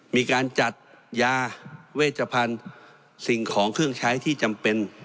มีการจัดยาเวชพันธุ์สิ่งของเครื่องใช้ที่จำเป็น